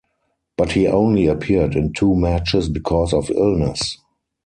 But he only appeared in two matches because of illness.